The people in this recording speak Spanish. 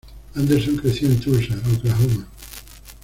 Anderson creció en Tulsa, Oklahoma.